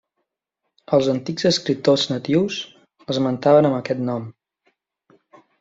Els antics escriptors natius l'esmentaven amb aquest nom.